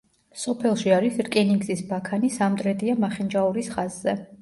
სოფელში არის რკინიგზის ბაქანი სამტრედია-მახინჯაურის ხაზზე.